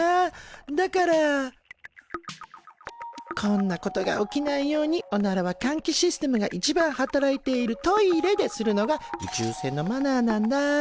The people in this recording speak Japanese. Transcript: だからこんなことが起きないようにおならはかんきシステムがいちばん働いているトイレでするのが宇宙船のマナーなんだ。